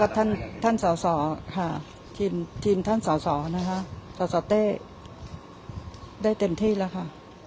แล้วก็ท่านท่านสอสอค่ะทีมท่านสอสอนะคะสอสอเต้ได้เต็มที่แล้วค่ะ